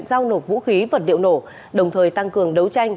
một vũ khí vật điệu nổ đồng thời tăng cường đấu tranh